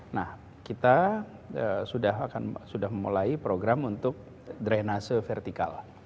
nah kita sudah akan sudah memulai program untuk drainase vertikal